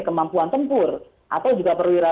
kemampuan tempur atau juga perwira